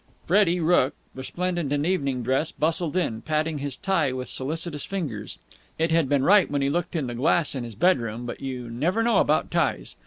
Freddie Rooke, resplendent in evening dress, bustled in, patting his tie with solicitous fingers. It had been right when he had looked in the glass in his bedroom, but you never know about ties.